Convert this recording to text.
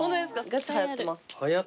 ガチはやってます。